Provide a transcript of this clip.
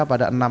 pada enam bulan